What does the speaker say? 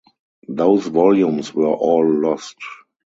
Those volumes were all lost.